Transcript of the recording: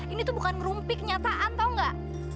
ini tuh bukan rumpik kenyataan tahu gak